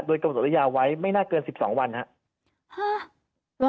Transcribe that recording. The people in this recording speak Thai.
โดยกรรมศัตรูระยาไว้ไม่น่าเกิน๑๒วันนะฮะ